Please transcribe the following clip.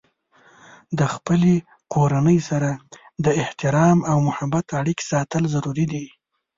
د خپلې کورنۍ سره د احترام او محبت اړیکې ساتل ضروري دي.